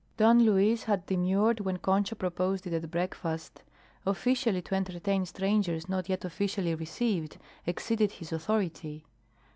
Don Luis had demurred when Concha proposed it at breakfast; officially to entertain strangers not yet officially received exceeded his authority.